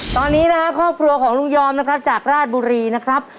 ตอนนี้นะครับครอบครัวของลุงยอมนะครับจากราชบุรีนะครับ